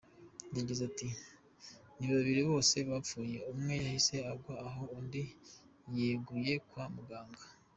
Yagize ati “Ni babiri bose bapfuye, umwe yahise agwa aho undi yaguye kwa muganga.